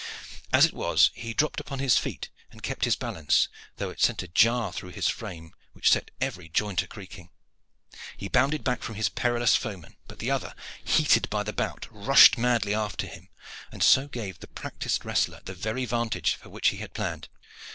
As it was, he dropped upon his feet and kept his balance, though it sent a jar through his frame which set every joint a creaking. He bounded back from his perilous foeman; but the other, heated by the bout, rushed madly after him, and so gave the practised wrestler the very vantage for which he had planned.